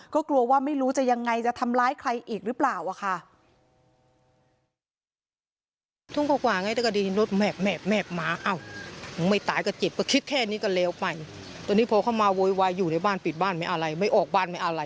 ก็กลัวว่าไม่รู้จะยังไงจะทำร้ายใครอีกหรือเปล่าค่ะ